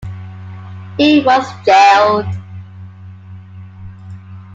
He was jailed.